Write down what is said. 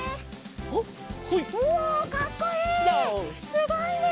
すごいね。